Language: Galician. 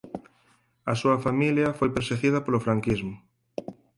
A súa familia foi perseguida polo franquismo.